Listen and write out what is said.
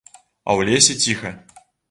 А ў лесе ціха.